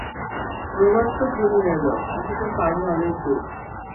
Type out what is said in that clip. প্রভাত তো ঘনিয়ে এলো, অথচ পাড়ি অনেক দূর।